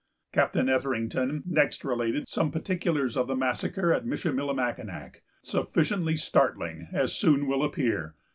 Captain Etherington next related some particulars of the massacre at Michillimackinac, sufficiently startling, as will soon appear.